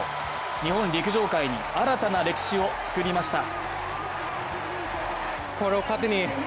日本陸上界に新たな歴史を作りました。